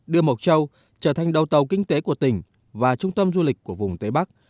đưa mộc châu trở thành đầu tàu kinh tế của tỉnh và trung tâm du lịch của vùng tây bắc